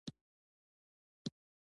مېلمه ته د خپل قوم مهرباني وښیه.